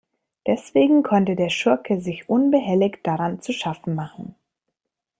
Deswegen konnte der Schurke sich unbehelligt daran zu schaffen machen.